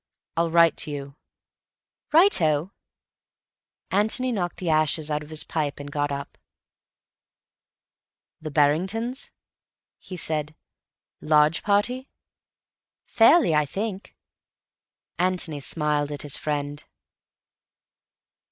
I'll write to you." "Righto!" Antony knocked the ashes out of his pipe and got up. "The Barringtons," he said. "Large party?" "Fairly, I think." Antony smiled at his friend.